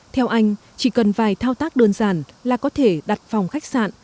theo anh chỉ cần vài thao tác đơn giản là có thể đặt phòng khách sạn